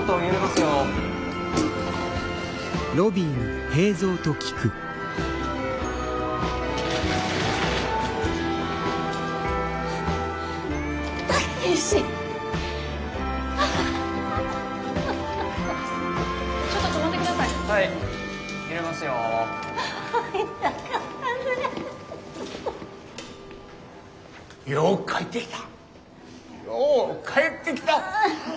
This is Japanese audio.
よう帰ってきた！